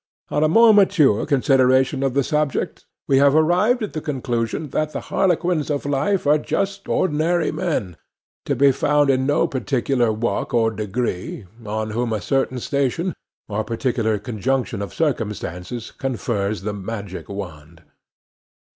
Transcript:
On a more mature consideration of the subject, we have arrived at the conclusion that the harlequins of life are just ordinary men, to be found in no particular walk or degree, on whom a certain station, or particular conjunction of circumstances, confers the magic wand.